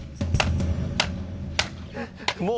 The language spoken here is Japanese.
もう。